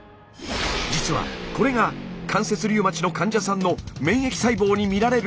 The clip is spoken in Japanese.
実はこれが関節リウマチの患者さんの免疫細胞に見られる異常。